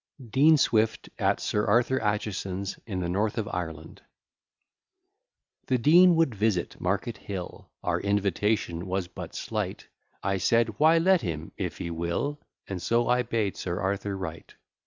DEAN SWIFT AT SIR ARTHUR ACHESON'S IN THE NORTH OF IRELAND The Dean would visit Market Hill, Our invitation was but slight; I said "Why let him, if he will:" And so I bade Sir Arthur write.